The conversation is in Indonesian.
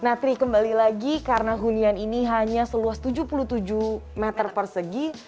nah tri kembali lagi karena hunian ini hanya seluas tujuh puluh tujuh meter persegi